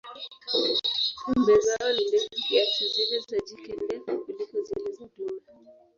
Pembe zao ni ndefu kiasi, zile za jike ndefu kuliko zile za dume.